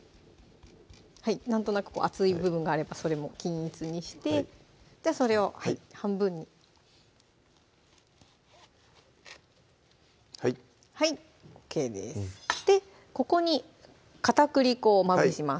はいなんとなく厚い部分があればそれも均一にしてじゃあそれを半分にはいはいＯＫですでここに片栗粉をまぶします